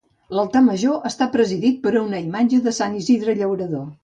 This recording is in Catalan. L'altar major està presidit per una imatge de sant Isidre Llaurador.